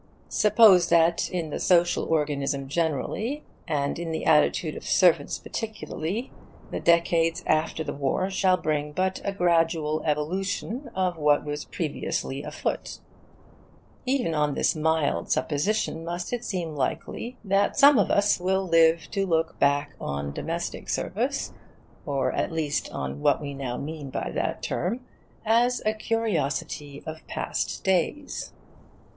Suppose that in the social organism generally, and in the attitude of servants particularly, the decades after the War shall bring but a gradual evolution of what was previously afoot. Even on this mild supposition must it seem likely that some of us will live to look back on domestic service, or at least on what we now mean by that term, as a curiosity of past days.